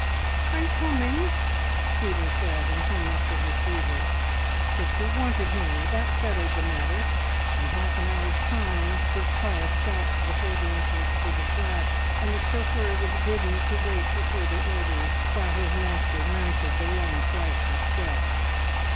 "I'm coming!" Stephen said, and hung up the receiver. Pixie wanted him, that settled the matter. In half an hour's time his car stopped before the entrance to the flat, and the chauffeur was bidden to wait for further orders, while his master mounted the long flights of steps.